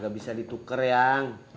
gak bisa dituker yang